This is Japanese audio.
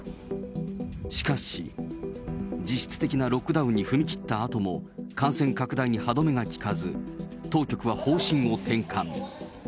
しかし、実質的なロックダウンに踏み切ったあとも、感染拡大に歯止めが利かず、当局は方針を転換。